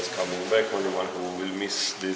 sato akan baik baik saja besok atau hari nanti